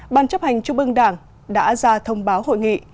bàn chấp hành chung mương đảng đã ra thông báo hội nghị